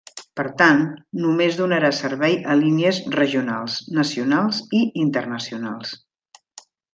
Per tant només donarà servei a línies regionals, nacionals i internacionals.